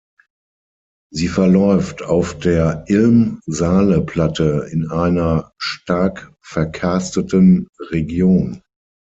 Sie verläuft auf der Ilm-Saale-Platte in einer stark verkarsteten Region.